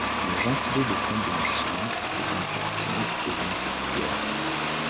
Le gentilé de Comblanchien est Blancurtien et Blancurtienne.